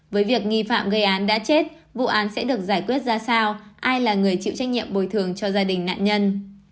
với việc nghi phạm gây án đã chết vụ án sẽ được giải quyết ra sao ai là người chịu trách nhiệm bồi thường cho gia đình nạn nhân